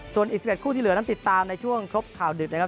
ส่วนอีก๑๑คู่ที่เหลือนั้นติดตามในช่วงครบข่าวดึกนะครับ